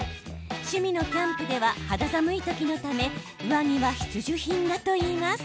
趣味のキャンプでは肌寒い時のため上着は必需品だといいます。